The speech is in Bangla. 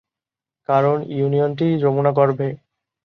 কারণ ইউনিয়নটি যমুনা গর্ভে।